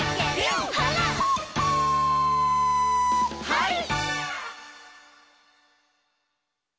「はい！」